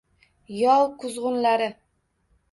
Yov kuzg’unlari.